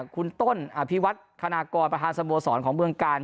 คุณต้นอภิวัตคณากรประธานสโมสรของเมืองกาล